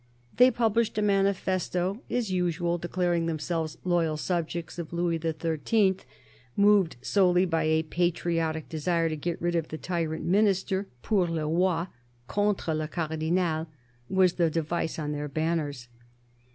They published a manifesto, as usual declaring themselves loyal subjects of Louis XIII., moved solely by a patriotic desire to get rid of the tyrant Minister. " Pour le Roy, contre le Cardinal," was the device on their banners.